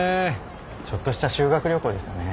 ちょっとした修学旅行ですね。